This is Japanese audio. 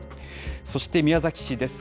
そして宮崎市です。